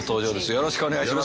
よろしくお願いします。